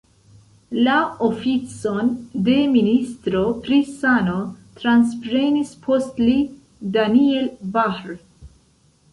La oficon de ministro pri sano transprenis post li Daniel Bahr.